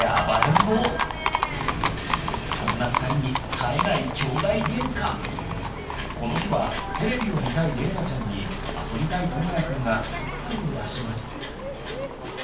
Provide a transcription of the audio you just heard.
そんな２人に絶えないこの日はテレビを見たいれいなちゃんに遊びたいともやくんがちょっかいを出します。